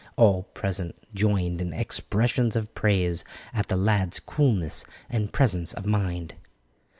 All present joined in expressions of praise at the lad's coolness and presence of mind.